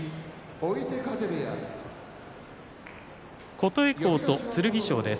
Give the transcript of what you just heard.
琴恵光と剣翔です。